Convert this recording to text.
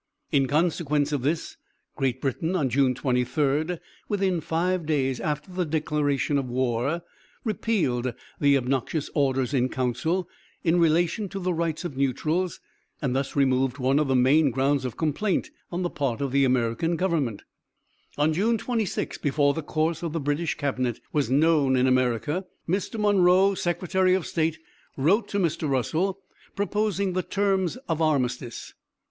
In consequence of this, Great Britain, on June 23, within five days after the declaration of war, repealed the obnoxious orders in council in relation to the rights of neutrals, and thus removed one of the main grounds of complaint on the part of the American government. On June 26, before the course of the British Cabinet was known in America, Mr. Monroe, Secretary of State, wrote to Mr. Russell proposing the terms of armistice.